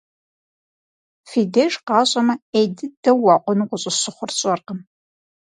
Фи деж къащӏэмэ, Ӏей дыдэу уакъуну къыщӏысщыхъур сщӏэркъым.